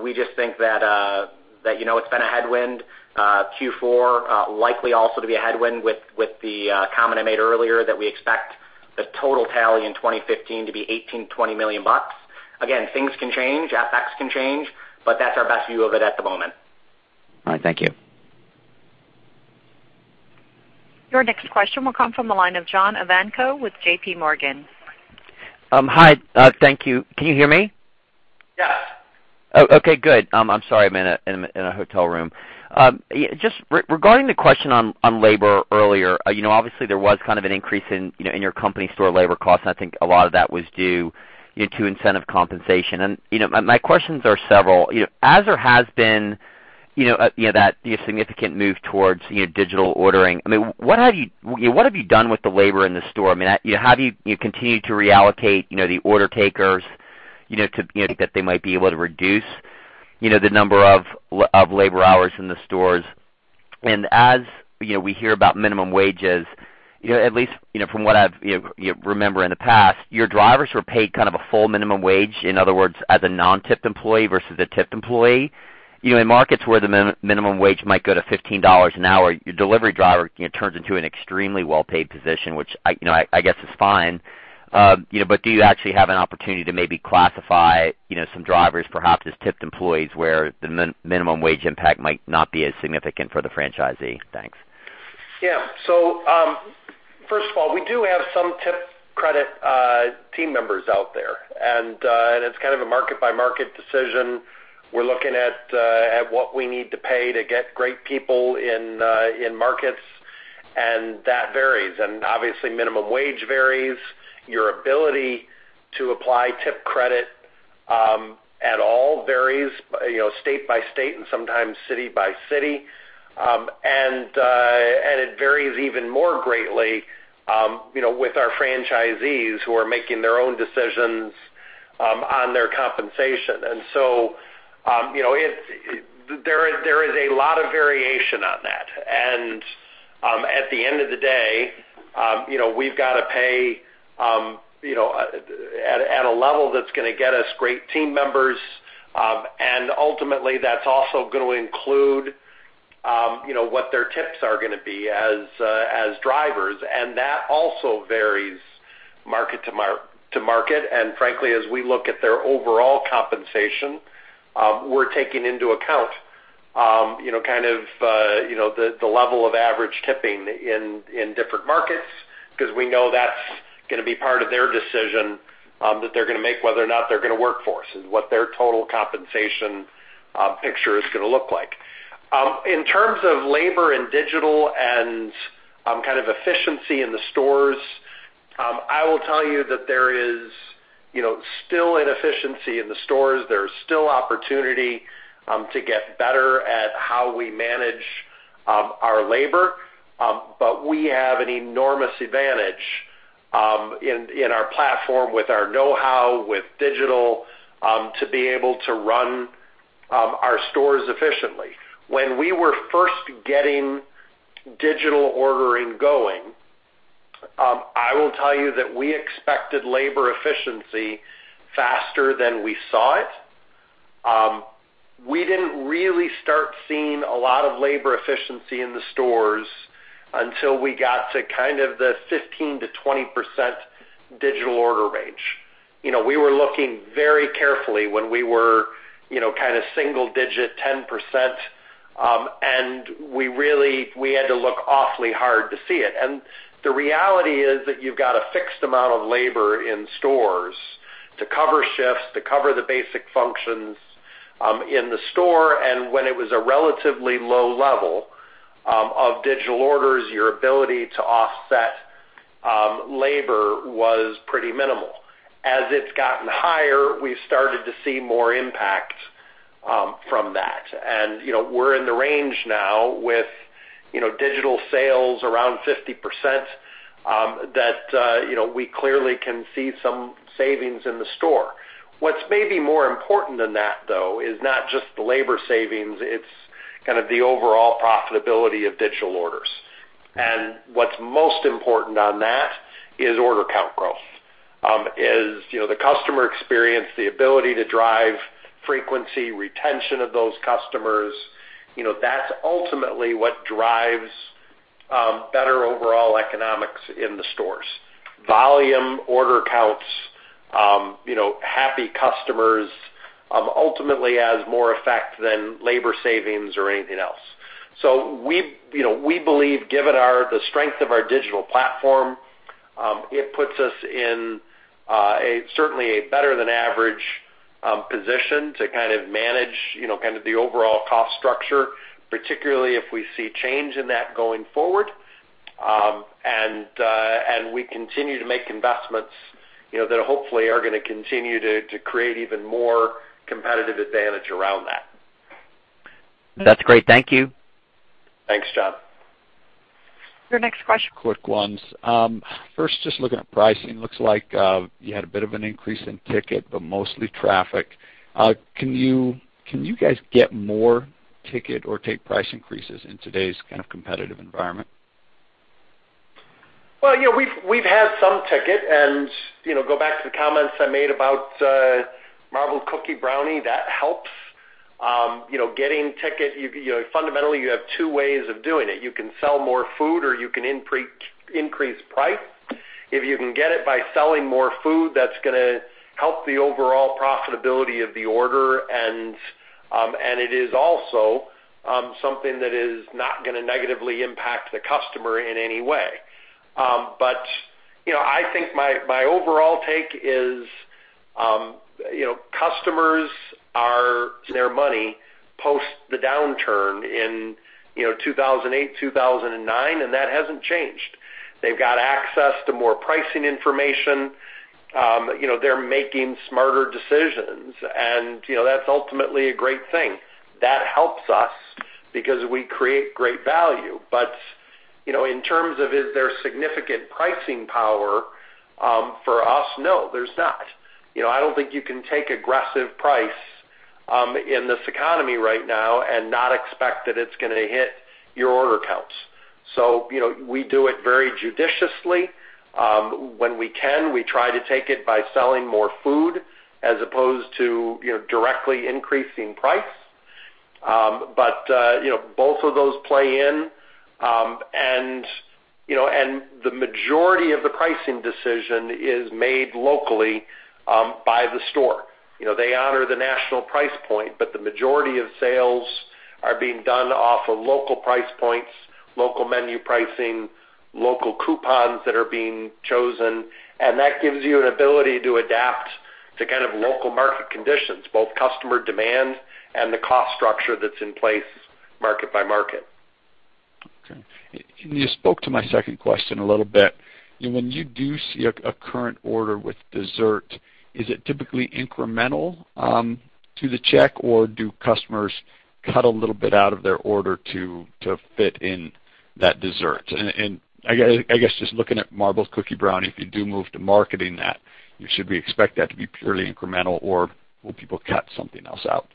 We just think that it's been a headwind. Q4 likely also to be a headwind with the comment I made earlier that we expect the total tally in 2015 to be $18 million-$20 million. Again, things can change, FX can change, that's our best view of it at the moment. All right. Thank you. Your next question will come from the line of John Ivankoe with JP Morgan. Hi. Thank you. Can you hear me? Yeah. Oh, okay, good. I'm sorry. I'm in a hotel room. Just regarding the question on labor earlier. Obviously, there was kind of an increase in your company store labor cost. I think a lot of that was due to incentive compensation. My questions are several. As there has been that significant move towards digital ordering, what have you done with the labor in the store? Have you continued to reallocate the order takers that they might be able to reduce the number of labor hours in the stores? As we hear about minimum wages, at least from what I remember in the past, your drivers were paid kind of a full minimum wage, in other words, as a non-tipped employee versus a tipped employee. In markets where the minimum wage might go to $15 an hour, your delivery driver turns into an extremely well-paid position, which I guess is fine. Do you actually have an opportunity to maybe classify some drivers perhaps as tipped employees, where the minimum wage impact might not be as significant for the franchisee? Thanks. Yeah. First of all, we do have some tip credit team members out there, and it's kind of a market-by-market decision. We're looking at what we need to pay to get great people in markets, and that varies. Obviously, minimum wage varies. Your ability to apply tip credit at all varies state by state and sometimes city by city. It varies even more greatly with our franchisees who are making their own decisions on their compensation. There is a lot of variation on that. At the end of the day, we've got to pay at a level that's going to get us great team members. Ultimately, that's also going to include what their tips are going to be as drivers, and that also varies market to market. Frankly, as we look at their overall compensation, we're taking into account the level of average tipping in different markets because we know that's going to be part of their decision that they're going to make whether or not they're going to work for us and what their total compensation picture is going to look like. In terms of labor and digital and kind of efficiency in the stores, I will tell you that there is still inefficiency in the stores. There's still opportunity to get better at how we manage our labor. We have an enormous advantage in our platform with our know-how with digital to be able to run our stores efficiently. When we were first getting digital ordering going I will tell you that we expected labor efficiency faster than we saw it. We didn't really start seeing a lot of labor efficiency in the stores until we got to the 15%-20% digital order range. We were looking very carefully when we were single digit 10%, and we had to look awfully hard to see it. The reality is that you've got a fixed amount of labor in stores to cover shifts, to cover the basic functions in the store. When it was a relatively low level of digital orders, your ability to offset labor was pretty minimal. As it's gotten higher, we've started to see more impact from that. We're in the range now with digital sales around 50% that we clearly can see some savings in the store. What's maybe more important than that, though, is not just the labor savings, it's the overall profitability of digital orders. What's most important on that is order count growth. Is the customer experience, the ability to drive frequency, retention of those customers, that's ultimately what drives better overall economics in the stores. Volume, order counts, happy customers, ultimately has more effect than labor savings or anything else. We believe, given the strength of our digital platform, it puts us in certainly a better than average position to manage the overall cost structure, particularly if we see change in that going forward. We continue to make investments that hopefully are going to continue to create even more competitive advantage around that. That's great. Thank you. Thanks, John. Your next question. Quick ones. First, just looking at pricing, looks like you had a bit of an increase in ticket. Mostly traffic. Can you guys get more ticket or take price increases in today's kind of competitive environment? Well, we've had some ticket. Go back to the comments I made about Marbled Cookie Brownie. That helps. Getting ticket, fundamentally, you have two ways of doing it. You can sell more food or you can increase price. If you can get it by selling more food, that's going to help the overall profitability of the order. It is also something that is not going to negatively impact the customer in any way. I think my overall take is customers, their money post the downturn in 2008, 2009. That hasn't changed. They've got access to more pricing information. They're making smarter decisions. That's ultimately a great thing. That helps us because we create great value. In terms of, is there significant pricing power for us? No, there's not. I don't think you can take aggressive price in this economy right now and not expect that it's going to hit your order counts. We do it very judiciously. When we can, we try to take it by selling more food as opposed to directly increasing price. Both of those play in, and the majority of the pricing decision is made locally by the store. They honor the national price point, but the majority of sales are being done off of local price points, local menu pricing, local coupons that are being chosen, and that gives you an ability to adapt to local market conditions, both customer demand and the cost structure that's in place market by market. Okay. You spoke to my second question a little bit. When you do see a current order with dessert, is it typically incremental to the check, or do customers cut a little bit out of their order to fit in that dessert? I guess, just looking at Marbled Cookie Brownie, if you do move to marketing that, should we expect that to be purely incremental, or will people cut something else out?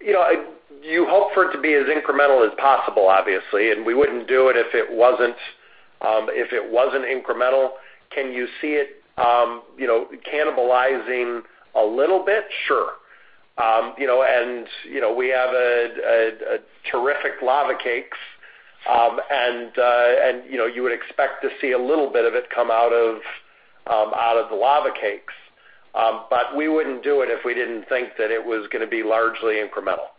You hope for it to be as incremental as possible, obviously, and we wouldn't do it if it wasn't incremental. Can you see it cannibalizing a little bit? Sure. We have terrific lava cakes, and you would expect to see a little bit of it come out of the lava cakes. We wouldn't do it if we didn't think that it was going to be largely incremental.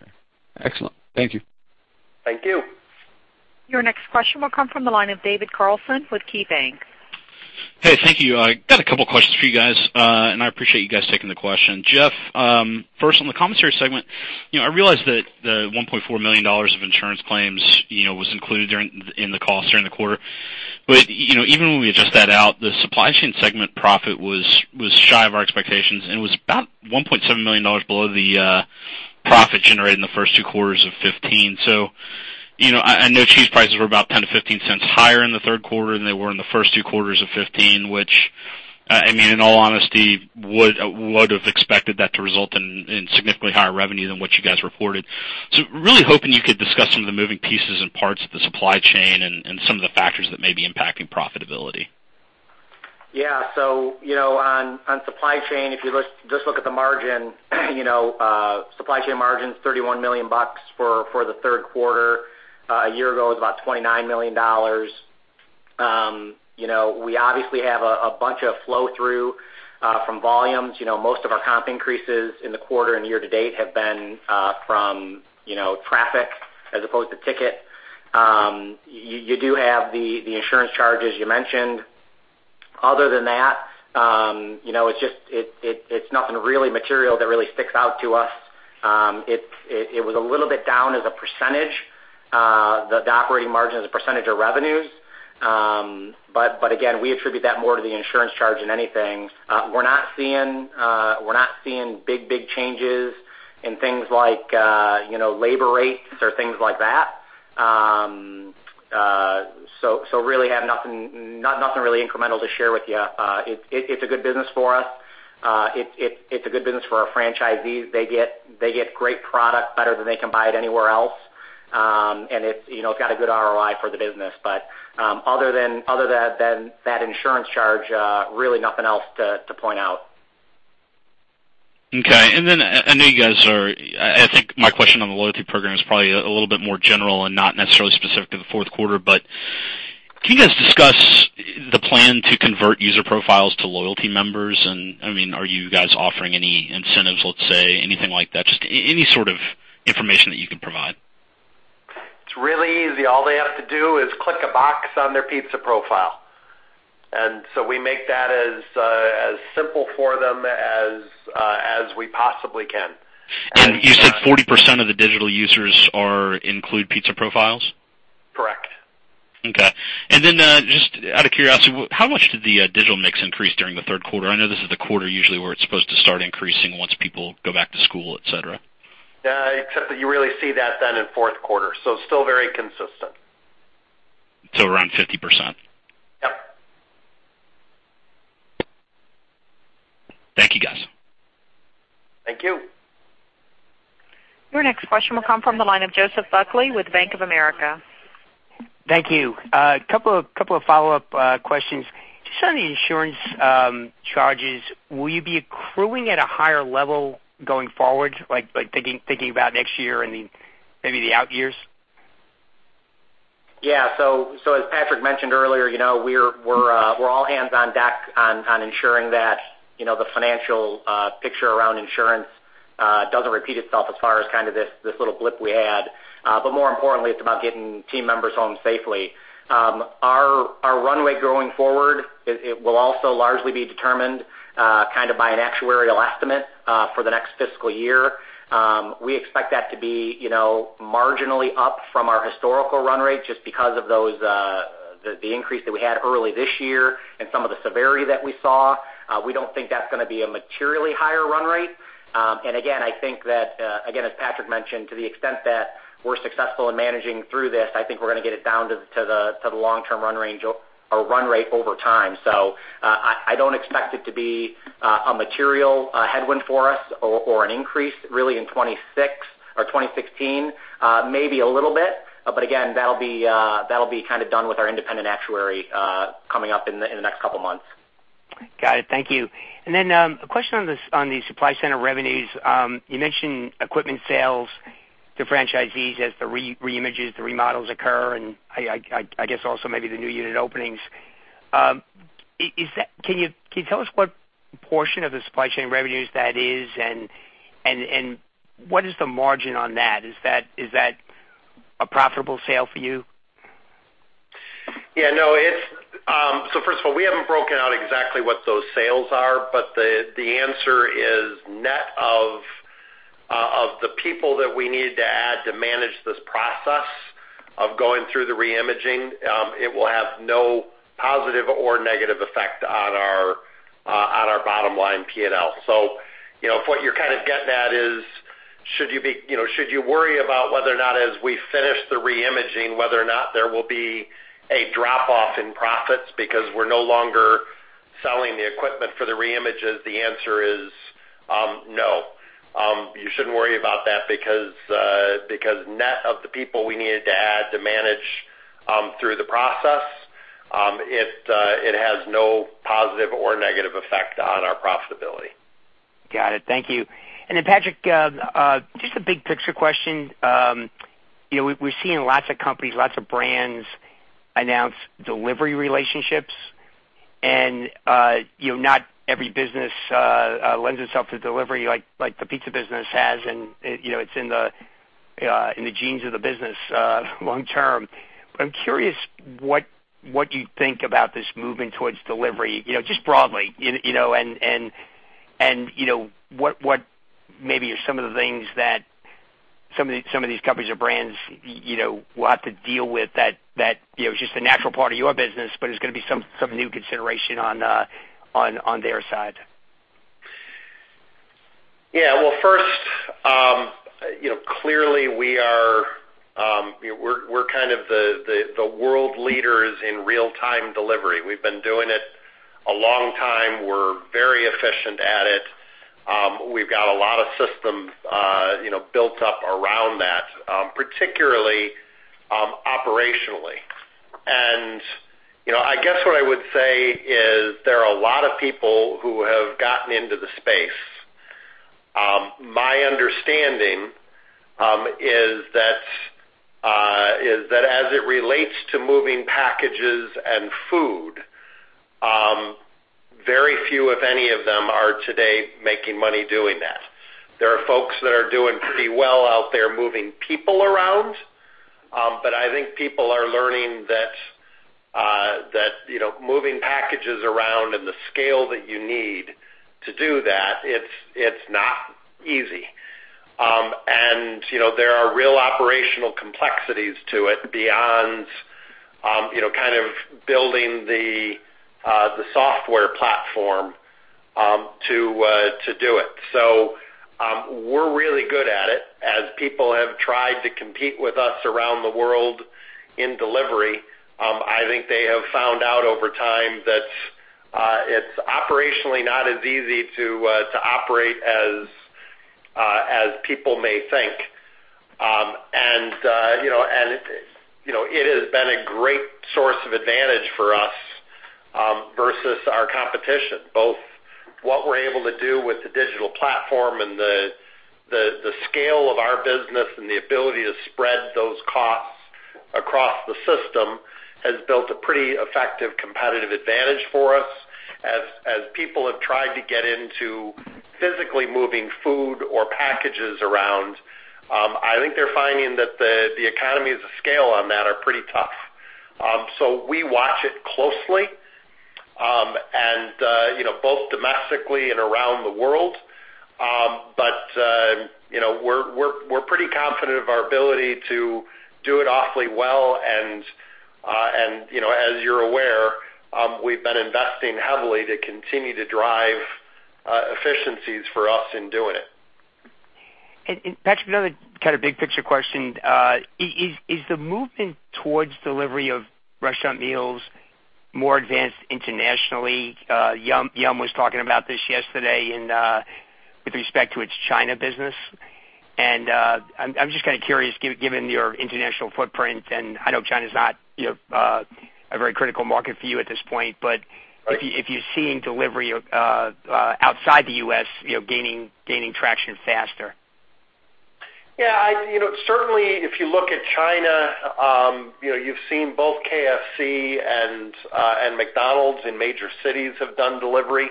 Okay. Excellent. Thank you. Thank you. Your next question will come from the line of David Carlson with KeyBank. Hey, thank you. I got a couple questions for you guys, and I appreciate you guys taking the question. Jeff, first on the commissary segment, I realize that the $1.4 million of insurance claims was included in the costs during the quarter. Even when we adjust that out, the supply chain segment profit was shy of our expectations and was about $1.7 million below the profit generated in the first two quarters of 2015. I know cheese prices were about $0.10-$0.15 higher in the third quarter than they were in the first two quarters of 2015, which in all honesty, would have expected that to result in significantly higher revenue than what you guys reported. Really hoping you could discuss some of the moving pieces and parts of the supply chain and some of the factors that may be impacting profitability. Yeah. On supply chain, if you just look at the margin, supply chain margin's $31 million for the third quarter. A year ago, it was about $29 million. We obviously have a bunch of flow-through from volumes. Most of our comp increases in the quarter and year to date have been from traffic as opposed to ticket. You do have the insurance charges you mentioned. Other than that, it's nothing really material that really sticks out to us. It was a little bit down as a percentage, the operating margin as a percentage of revenues. Again, we attribute that more to the insurance charge than anything. We're not seeing big changes in things like labor rates or things like that. Really have nothing really incremental to share with you. It's a good business for us. It's a good business for our franchisees. They get great product, better than they can buy it anywhere else. It's got a good ROI for the business. Other than that insurance charge, really nothing else to point out. Okay. I think my question on the loyalty program is probably a little bit more general and not necessarily specific to the fourth quarter. Can you guys discuss the plan to convert user profiles to loyalty members? Are you guys offering any incentives, let's say, anything like that? Just any sort of information that you can provide. It's really easy. All they have to do is click a box on their pizza profile. We make that as simple for them as we possibly can. You said 40% of the digital users include pizza profiles? Correct. Okay. Just out of curiosity, how much did the digital mix increase during the third quarter? I know this is the quarter usually where it's supposed to start increasing once people go back to school, et cetera. Yeah. Except that you really see that then in fourth quarter, still very consistent. Around 50%. Yep. Thank you, guys. Thank you. Your next question will come from the line of Joseph Buckley with Bank of America. Thank you. A couple of follow-up questions. Just on the insurance charges, will you be accruing at a higher level going forward, like thinking about next year and maybe the out years? Yeah. As Patrick mentioned earlier, we're all hands on deck on ensuring that the financial picture around insurance doesn't repeat itself as far as kind of this little blip we had. More importantly, it's about getting team members home safely. Our runway going forward, it will also largely be determined by an actuarial estimate for the next fiscal year. We expect that to be marginally up from our historical run rate, just because of the increase that we had early this year and some of the severity that we saw. We don't think that's going to be a materially higher run rate. Again, as Patrick mentioned, to the extent that we're successful in managing through this, I think we're going to get it down to the long-term run rate over time. I don't expect it to be a material headwind for us or an increase really in 2016. Maybe a little bit, again, that'll be kind of done with our independent actuary, coming up in the next couple of months. Got it. Thank you. Then, a question on the supply center revenues. You mentioned equipment sales to franchisees as the reimages, the remodels occur, I guess also maybe the new unit openings. Can you tell us what portion of the supply chain revenues that is, what is the margin on that? Is that a profitable sale for you? Yeah. First of all, we haven't broken out exactly what those sales are, but the answer is net of the people that we needed to add to manage this process of going through the re-imaging, it will have no positive or negative effect on our bottom line P&L. If what you're kind of getting at is should you worry about whether or not as we finish the re-imaging, whether or not there will be a drop-off in profits because we're no longer selling the equipment for the re-images, the answer is no. You shouldn't worry about that because net of the people we needed to add to manage through the process, it has no positive or negative effect on our profitability. Got it. Thank you. Then Patrick, just a big picture question. We're seeing lots of companies, lots of brands announce delivery relationships, not every business lends itself to delivery like the pizza business has, it's in the genes of the business long term. I'm curious what you think about this movement towards delivery, just broadly, what maybe are some of the things that some of these companies or brands will have to deal with that's just a natural part of your business, but it's going to be some new consideration on their side. Well, first, clearly we're one of the world leaders in real-time delivery. We've been doing it a long time. We're very efficient at it. We've got a lot of systems built up around that, particularly operationally. I guess what I would say is there are a lot of people who have gotten into the space. My understanding is that as it relates to moving packages and food, very few, if any of them, are today making money doing that. There are folks that are doing pretty well out there moving people around, but I think people are learning that moving packages around and the scale that you need to do that, it's not easy. There are real operational complexities to it beyond building the software platform to do it. We're really good at it. As people have tried to compete with us around the world in delivery, I think they have found out over time that it's operationally not as easy to operate as people may think. It has been a great source of advantage for us versus our competition, both what we're able to do with the digital platform and the scale of our business and the ability to spread those costs across the system has built a pretty effective competitive advantage for us. As people have tried to get into physically moving food or packages around, I think they're finding that the economies of scale on that are pretty tough. We watch it closely, both domestically and around the world. We're pretty confident of our ability to do it awfully well, and as you're aware, we've been investing heavily to continue to drive efficiencies for us in doing it. Patrick, another big picture question. Is the movement towards delivery of restaurant meals more advanced internationally? Yum! was talking about this yesterday with respect to its China business, and I'm just curious, given your international footprint, and I know China's not a very critical market for you at this point, but if you're seeing delivery outside the U.S. gaining traction faster. Certainly, if you look at China, you've seen both KFC and McDonald's in major cities have done delivery,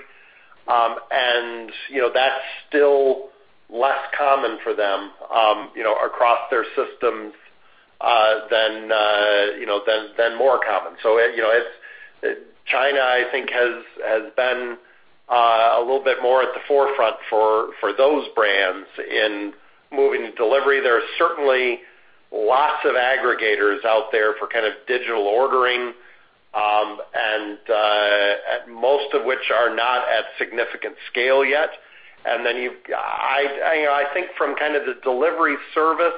That's still less common for them across their systems than more common. China, I think, has been a little bit more at the forefront for those brands in moving to delivery. There are certainly lots of aggregators out there for digital ordering, Most of which are not at significant scale yet. Then I think from the delivery service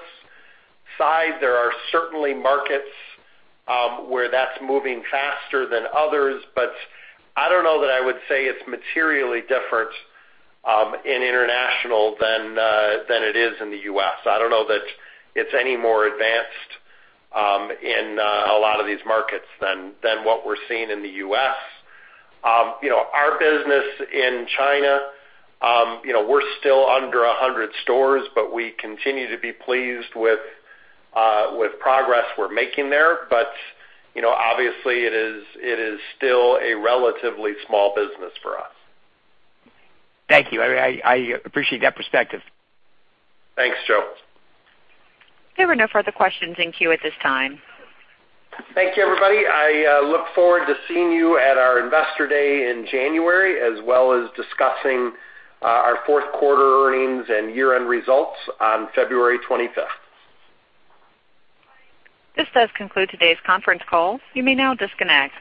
side, there are certainly markets where that's moving faster than others, but I don't know that I would say it's materially different in international than it is in the U.S. I don't know that it's any more advanced in a lot of these markets than what we're seeing in the U.S. Our business in China, we're still under 100 stores, but we continue to be pleased with progress we're making there. Obviously, it is still a relatively small business for us. Thank you. I appreciate that perspective. Thanks, Joe. There were no further questions in queue at this time. Thank you, everybody. I look forward to seeing you at our Investor Day in January, as well as discussing our fourth quarter earnings and year-end results on February 25th. This does conclude today's conference call. You may now disconnect.